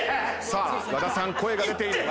さあ和田さん声が出ている。